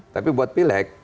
tapi buat pileg